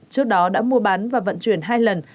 trước đó đã mua bán và vận chuyển hai lần